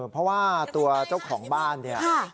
เพราะว่าตัวเจ้าของบ้านเนี่ย